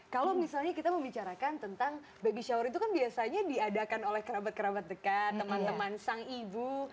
kalau misalnya kita membicarakan tentang baby shower itu kan biasanya diadakan oleh kerabat kerabat dekat teman teman sang ibu